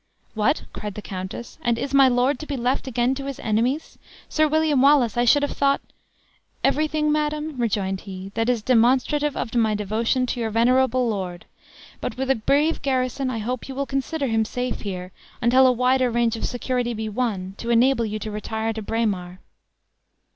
"What?" cried the countess, "and is my lord to be left again to his enemies? Sir William Wallace, I should have thought " "Everything, madam," rejoined he; "that is demonstrative of my devotion to your venerable lord! But with a brave garrison, I hope you will consider him safe here, until a wider range of security be won, to enable you to retire to Braemar."